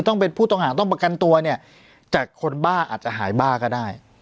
ต้องเป็นผู้ต้องหาต้องประกันตัวเนี่ยจากคนบ้าอาจจะหายบ้าก็ได้